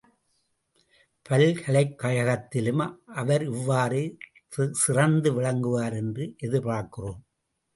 பல்கலைக் கழகத்திலும் அவர் இவ்வாறே சிறந்து விளங்குவார் என்று எதிர்பார்க்கிறோம்.